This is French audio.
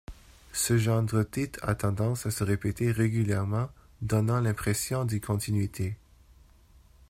Ce genre d'otite a tendance à se répéter régulièrement, donnant l'impression d'une continuité.